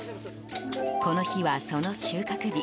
この日は、その収穫日。